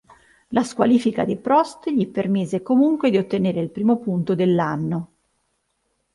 La squalifica di Prost gli permise comunque di ottenere il primo punto dell'anno.